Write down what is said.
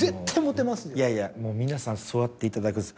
いやいやもう皆さんそう言っていただくんです。